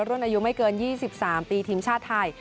รุงอายุไม่เกินยี่สิบสามปีทีมชาติไทย